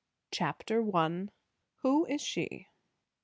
CHAPTER I. WHO IS SHE?